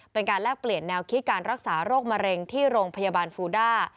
แลกเปลี่ยนแนวคิดการรักษาโรคมะเร็งที่โรงพยาบาลฟูด้า